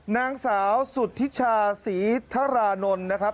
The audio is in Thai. นางสาวสุธิชาศรีธรานนท์นะครับ